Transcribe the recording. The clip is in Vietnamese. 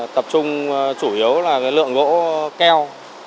tập trung chủ yếu là cái lượng gỗ keo